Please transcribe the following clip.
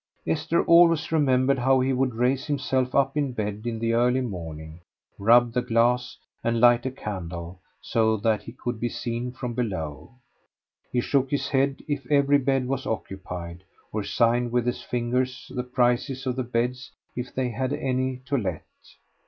Esther always remembered how he would raise himself up in bed in the early morning, rub the glass, and light a candle so that he could be seen from below. He shook his head if every bed was occupied, or signed with his fingers the prices of the beds if they had any to let.